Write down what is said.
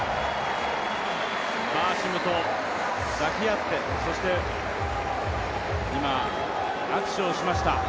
バーシムと抱き合って、そして今、握手をしました。